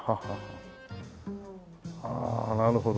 ああなるほどね。